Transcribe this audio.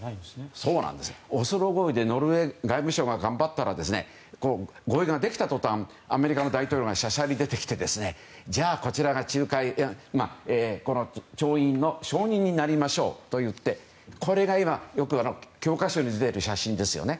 オスロ合意でノルウェー外務省が頑張ったら合意ができた途端アメリカの大統領がしゃしゃり出てきてじゃあ、こちらが調印の証人になりましょうといってこれがよく教科書に出ている写真ですよね。